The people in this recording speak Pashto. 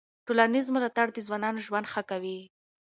ټولنیز ملاتړ د ځوانانو ژوند ښه کوي.